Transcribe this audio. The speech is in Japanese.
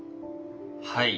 はい。